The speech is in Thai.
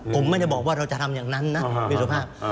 ผมไม่ได้บอกว่าเราจะทำอย่างนั้นนะพี่สุภาพ